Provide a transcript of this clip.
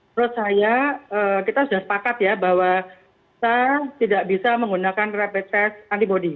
menurut saya kita sudah sepakat ya bahwa kita tidak bisa menggunakan rapid test antibody